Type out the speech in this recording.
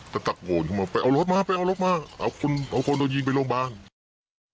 ก็ตักโกนเข้ามาเอารถมาไปเอารถมาเอาคนโดนยิงไปโรงพยาบาล